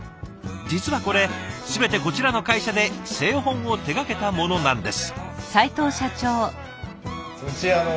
実はこれ全てこちらの会社で製本を手がけたものなんです。